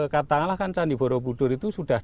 katakanlah kan candi borobudur itu sudah